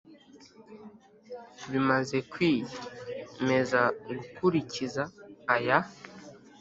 Bimaze kwiye meza gukurikiza aya